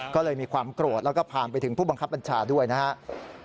ก็เลยมีความโกรธแล้วก็ผ่านไปถึงผู้บังคับบัญชาด้วยนะครับ